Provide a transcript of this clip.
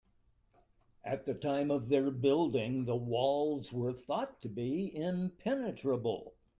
At the time of their building, the walls were thought to be impenetrable.